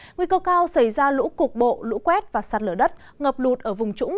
nguy cầu cao xảy ra lũ cục bộ lũ quét và sạt lửa đất ngập lụt ở vùng trũng